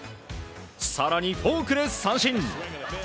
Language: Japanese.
更にフォークで三振。